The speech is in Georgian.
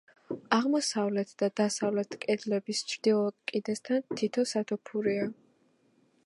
აღმოსავლეთ და დასავლეთ კედლების ჩრდილო კიდესთან თითო სათოფურია.